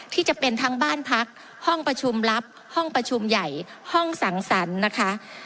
ที่จะเป็นทั้งบ้านพักห้องประชุมลับห้องประชุมใหญ่ห้องสังสรรค์นะคะ